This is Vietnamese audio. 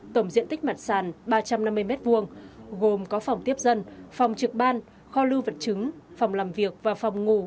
tổng diện tích mặt sàn ba trăm năm mươi m hai gồm có phòng tiếp dân phòng trực ban kho lưu vật chứng phòng làm việc và phòng ngủ